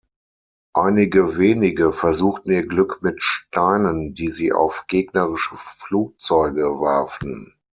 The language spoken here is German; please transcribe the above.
Einige wenige versuchten ihr Glück mit Steinen, die sie auf gegnerische Flugzeuge warfen.